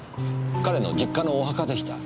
彼の実家のお墓でした。